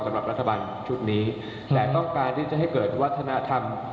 สำหรับรัฐบาลชุดนี้แต่ต้องการที่จะให้เกิดวัฒนธรรม